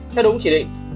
theo đúng chỉ định